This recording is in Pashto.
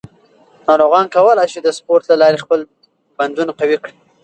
ناروغان کولی شي د سپورت له لارې خپل بندونه قوي کړي.